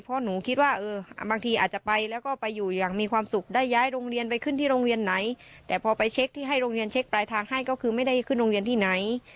เพราะหนูคิดว่าบางทีอาจจะไปแล้วก็ไปอยู่อย่างมีความสุขได้ย้ายโรงเรียนไปขึ้นที่โรงเรียนไหนแต่พอไปเช็คที่ให้โรงเรียนเช็คปลายทางให้ก็คือไม่ได้ขึ้นโรงเรียนที่ไหน